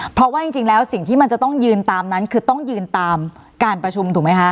เพราะว่าจริงแล้วสิ่งที่มันจะต้องยืนตามนั้นคือต้องยืนตามการประชุมถูกไหมคะ